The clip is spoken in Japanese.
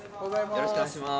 よろしくお願いします。